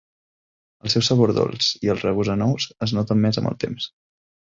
El seu sabor dolç i el regust a nous es noten més amb el temps.